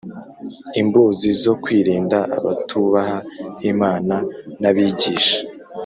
Imbuzi zo kwirinda abatubaha Imana n abigisha